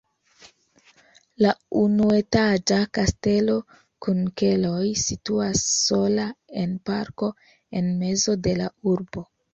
La unuetaĝa kastelo kun keloj situas sola en parko en mezo de la urbo.